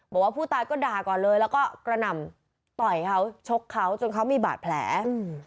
บอกว่าผู้ตายก็ด่าก่อนเลยแล้วก็กระหน่ำต่อยเขาชกเขาจนเขามีบาดแผลอืม